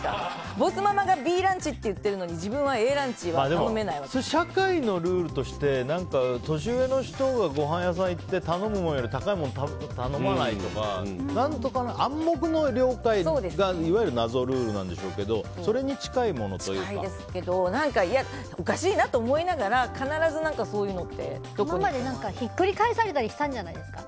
ボスママがＢランチって言ってるのに社会のルールとして年上の人がごはん屋さん行って頼むものより高いものは頼まないとか暗黙の了解がいわゆる謎ルールなんでしょうけどおかしいなと思いながらひっくり返されたりしたんじゃないですか。